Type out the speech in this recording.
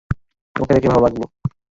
তোমাকে দেখে ভালো লাগল।